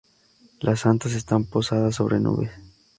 Las santas están posadas sobre nubes.